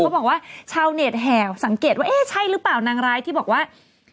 บอกว่าชาวเน็ตแห่สังเกตว่าเอ๊ะใช่หรือเปล่านางร้ายที่บอกว่า